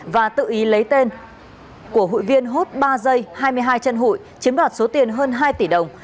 và tự ý lấy tên của hụi viên hốt ba dây hai mươi hai chân hụi chiếm đoạt số tiền hơn hai tỷ đồng